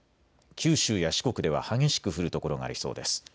九州や四国では激しく降る所がありそうです。